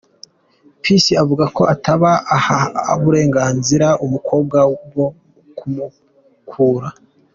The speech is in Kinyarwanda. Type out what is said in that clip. Peace avuga ko ataba aha uburenganzira umukobwa bwo kumukura.